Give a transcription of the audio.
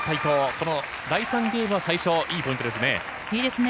この第３ゲームは最初、いいポイントですね。